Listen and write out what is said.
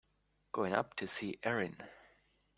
Going up to see Erin.